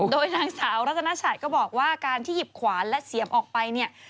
โดยนางสาวรัตนชัดก็บอกว่าการที่หยิบขวานและเสียมออกไปเนี่ย